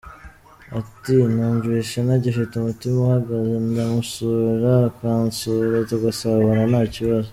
Ati “Numvise ntagifite umutima uhagaze, ndamusura akansura tugasabana nta kibazo.